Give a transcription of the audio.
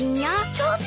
ちょっと！